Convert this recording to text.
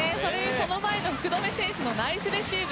その前の福留選手のナイスレシーブ。